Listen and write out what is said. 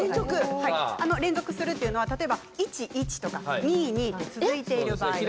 連続するというのは例えば１・１とか２・２と続いている場合ですね。